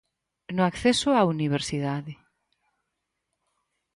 No acceso á universidade.